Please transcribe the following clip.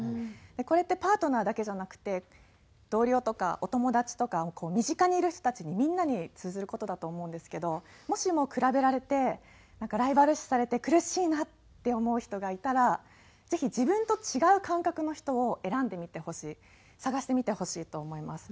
これってパートナーだけじゃなくて同僚とかお友達とか身近にいる人たちみんなに通ずる事だと思うんですけどもしも比べられてなんかライバル視されて苦しいなって思う人がいたらぜひ自分と違う感覚の人を選んでみてほしい探してみてほしいと思います。